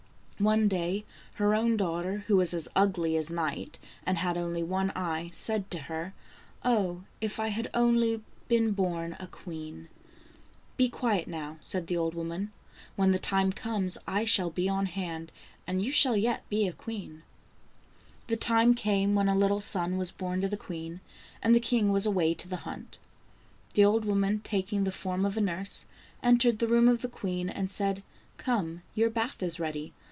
One day, her own daughter, who was as ugly as night, and had only one eye, said to her :" Oh, if I had only been born a queen !"" Be quiet now," said the old woman ;" when the time comes, I shall be on hand, and you shall yet be a queen." The time came when a little son was born to the queen and the king was away to the hunt. The old woman, taking the form of a nurse, entered the room of the queen, and said :" Come, your bath is ready.